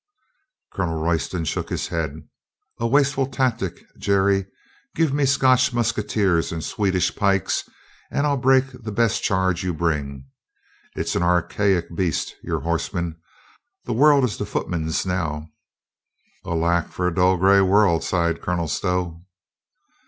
Colonel Royston shook his head. "A wasteful tactic, Jerry. Give me Scotch musketeers and Swed ish pikes, and I'll break the best charge you bring. It's an archaic beast, your horseman. The world is the footman's now." "Alack for a dull gray world," sighed Colonel Stow.